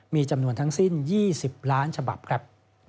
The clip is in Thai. มีจำนวนทั้งสิ้น๒๐ล้านฉบับครับ